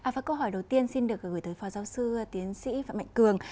và câu hỏi đầu tiên xin được gửi tới phó giáo sư tiến sĩ phạm mạnh cường